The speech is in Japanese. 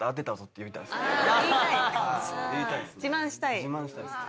自慢したいですね。